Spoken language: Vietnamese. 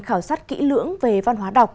khảo sát kỹ lưỡng về văn hóa đọc